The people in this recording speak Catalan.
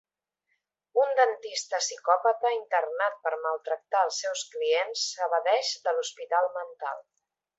Un dentista psicòpata internat per maltractar els seus clients s'evadeix de l'hospital mental.